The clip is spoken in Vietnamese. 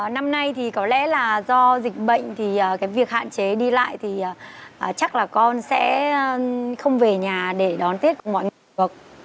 năm nay thì có lẽ là do dịch bệnh thì cái việc hạn chế đi lại thì chắc là con sẽ không về nhà để đón tết mọi người